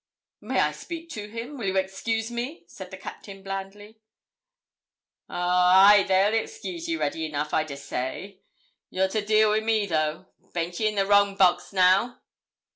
'May I speak to him? Will you excuse me?' said the Captain blandly. 'Ow ay, they'll excuse ye ready enough, I dessay; you're to deal wi' me though. Baint ye in the wrong box now?'